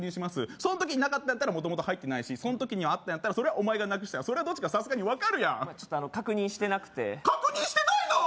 その時になかったんやったら元々入ってないしその時にはあったんやったらそれはお前がなくしたんやどっちかさすがに分かるやん確認してなくて確認してないのー？